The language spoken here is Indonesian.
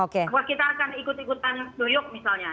bahwa kita akan ikut ikutan new york misalnya